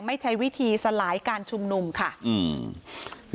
ไม่ใช้วิธีสลายกาชุมนุมค่ะ